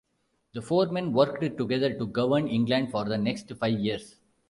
The four men worked together to govern England for the next five years.